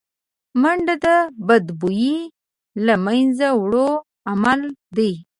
منډه د بدبویو له منځه وړو عمل دی